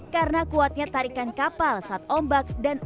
karena kuatnya tarikan kapal saat ombak dan api